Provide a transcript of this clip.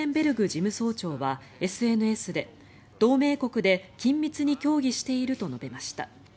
事務総長はＳＮＳで同盟国で緊密に協議していると述べました。